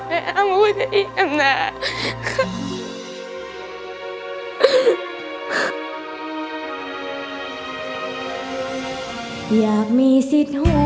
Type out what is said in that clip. แม่เอ้าว่าจะอีกอำนาจ